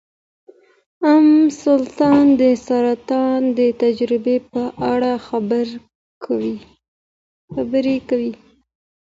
ام سلطان د سرطان د تجربې په اړه خبرې کوي.